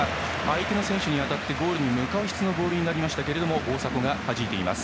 相手の選手に当たってゴールに向かう質のボールになりましたが大迫がはじいています。